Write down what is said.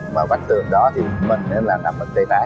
mà bắp trường đó thì mình nó là nằm bên tay trái